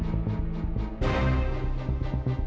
kita udah sehar classics ngomong